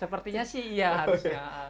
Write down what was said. sepertinya sih iya harusnya